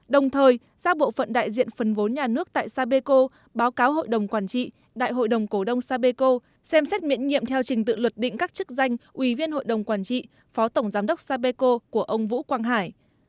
đồng thời ra bộ phận đại diện phần vốn nhà nước tại sapeco báo cáo hội đồng quản trị đại hội đồng cổ đông sapeco xem xét miễn nhiệm theo trình tự luật định các chức danh ủy viên hội đồng quản trị phó tổng giám đốc sapeco của ông vũ quang hải